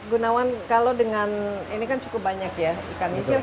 gunawan kalau dengan ini kan cukup banyak ya ikannya